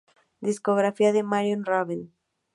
Discografía de Marion Raven